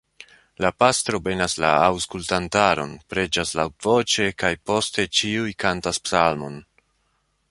La pastro benas la aŭskultantaron, preĝas laŭtvoĉe, kaj poste ĉiuj kantas psalmon.